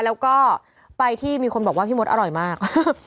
แล้วก็ไปที่มีคนบอกว่าพี่มดอร่อยมาก